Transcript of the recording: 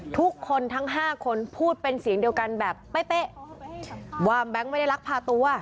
ทุกคนทั้ง๕คนพูดเป็นเสียงเดียวกันแบบเป๊ะว่าแบงค์ไม่ได้ลักพาตัว